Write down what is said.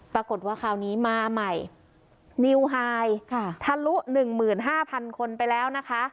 ปรากฏว่าคราวนี้มาใหม่นิวไฮค่ะทะลุหนึ่งหมื่นห้าพันคนไปแล้วนะคะ